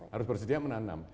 harus bersedia menanam